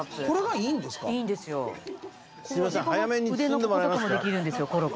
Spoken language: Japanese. これがいいんですか？